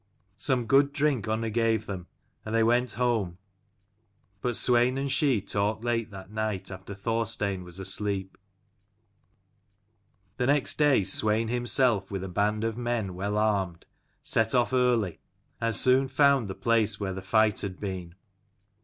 Some good drink Unna gave them, and they went home : but Swein and she talked late that night after Thorstein was asleep. The next day Swein himself, with a band of men well armed, set off early, and soon found the place where the fight had been.